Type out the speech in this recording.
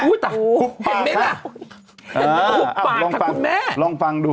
หุบปากค่ะลองฟังดู